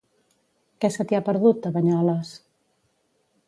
Què se t'hi ha perdut, a Banyoles?